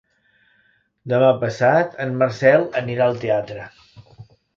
Demà passat en Marcel anirà al teatre.